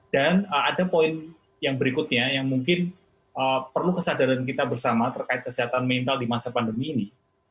dan ada poin yang berikutnya yang mungkin perlu kesadaran kita bersama terkait kesehatan mental di masa pandemi ini